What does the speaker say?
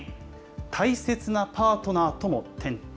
大切なパートナーとも。